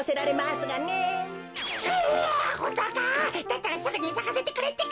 だったらすぐにさかせてくれってか。